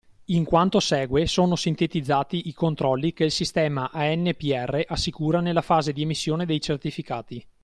In quanto segue sono sintetizzati i controlli che il sistema ANPR assicura nella fase di emissione dei certificati.